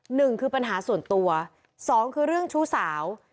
หนึ่งคือปัญหาส่วนตัวสองคือเรื่องชู้สาว